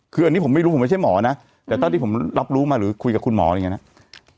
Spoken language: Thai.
คืออันนี้ผมไม่รู้ผมไม่ใช่หมอนะแต่เท่าที่ผมรับรู้มาหรือคุยกับคุณหมออะไรอย่างนี้นะ